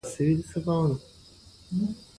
افغانستان د خپلو زردالو له مخې په نړۍ کې پېژندل کېږي.